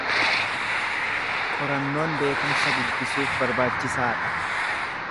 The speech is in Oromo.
Qorannoon beekumsa guddisuuf barbaachisaa dha.